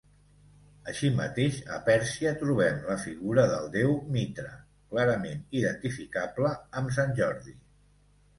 Així mateix a Pèrsia trobem la figura del déu Mitra, clarament identificable amb sant Jordi.